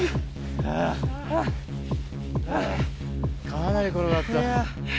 かなり転がった。